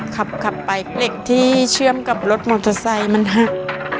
ขับไปเหล็กที่เชื่อมกับรถมอเตอร์ไซค์มันหัก